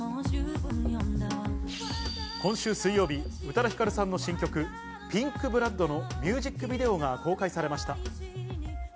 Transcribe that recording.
今週水曜日、宇多田ヒカルさんの新曲、『ＰＩＮＫＢＬＯＯＤ』のミュージックビデオが公開されました。